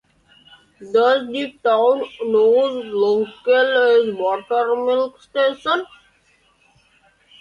Thus, the town was known locally as Buttermilk Station.